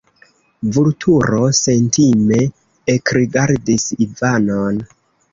Vulturo sentime ekrigardis Ivanon.